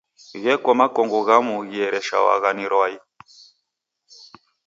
Gheko makongo ghamu ghiereshawagha ni rwai.